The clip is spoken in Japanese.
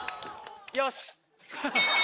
よし！